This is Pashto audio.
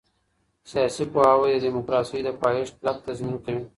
سياسي پوهاوی د ديموکراسۍ د پايښت کلک تضمين کوي.